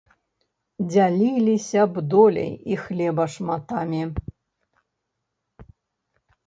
Дзяліліся б доляй і хлеба шматамі.